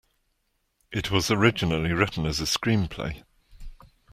It was originally written as a screenplay.